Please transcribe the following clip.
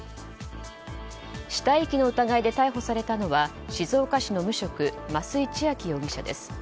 死体遺棄の疑いで逮捕されたのは静岡市の無職増井千彰容疑者です。